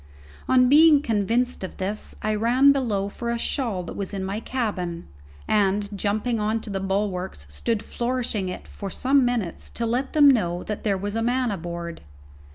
On being convinced of this, I ran below for a shawl that was in my cabin, and, jumping on to the bulwarks, stood flourishing it for some minutes to let them know that there was a man aboard.